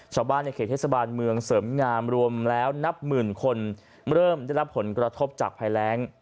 ชาวบ้านในเขตเทศบาลเมืองเสริมงามรวมแล้วนับหมื่นคนเริ่มได้รับผลกระทบจากภัยแรง